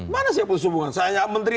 mana saya putus hubungan saya menteri